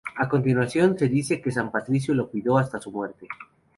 A continuación, se dice que San Patricio lo cuidó hasta su muerte.